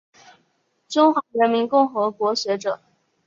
中华人民共和国学者。